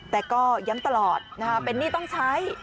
แต่ก็ย้ำตลอดเป็นหนี้ต้องใช้